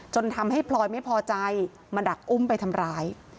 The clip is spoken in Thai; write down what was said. ทำให้พลอยไม่พอใจมาดักอุ้มไปทำร้าย